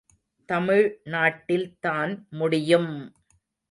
தமிழ்நாட்டில் தான் முடியும்!